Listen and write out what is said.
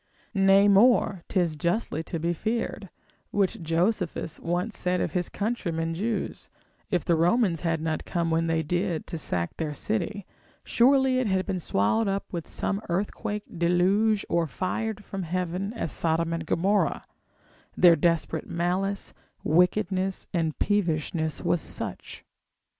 Nay more, 'tis justly to be feared, which Josephus once said of his countrymen Jews, if the Romans had not come when they did to sack their city, surely it had been swallowed up with some earthquake, deluge, or fired from heaven as Sodom and Gomorrah: their desperate malice, wickedness and peevishness was such.